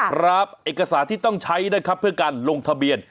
ครับเอกสารที่ต้องใช้นะครับเพื่อการลงทะเบียน